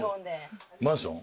マンション？